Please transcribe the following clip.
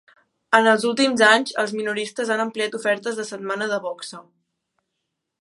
En els últims anys, els minoristes han ampliat ofertes de "setmana de boxa".